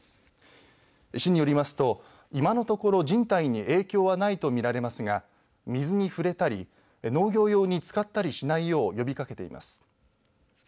市によりますと今のところ人体に影響はないと見られますが水に触れたり農業用に使ったりしないよう呼びかけています。